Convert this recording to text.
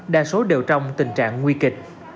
đa số đều trong tình trạng nguy kịch